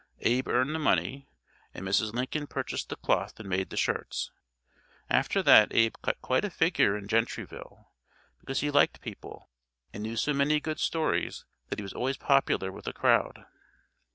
Abe earned the money, and Mrs. Lincoln purchased the cloth and made the shirts. After that Abe cut quite a figure in Gentryville, because he liked people, and knew so many good stories that he was always popular with a crowd.